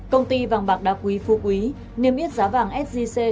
công ty vàng bạc đa quý phu quý niêm yết giá vàng sgc